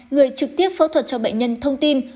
người trực tiếp phẫu thuật cho bệnh nhân thông tin